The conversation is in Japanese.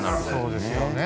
そうですよね。